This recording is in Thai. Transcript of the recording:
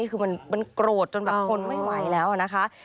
คือมันโกรธจนแบบทนไม่ไหวแล้วนะคะ